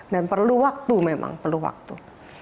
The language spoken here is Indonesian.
dan perlu waktu memang perlu waktu